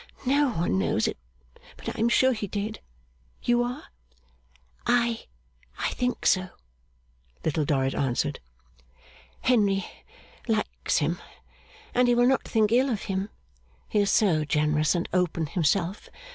No one knows it, but I am sure he did. You are?' 'I I think so,' Little Dorrit answered. 'Henry likes him, and he will not think ill of him; he is so generous and open himself.